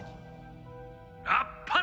あっぱれ！